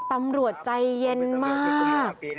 ตำรวจใจเย็นมาก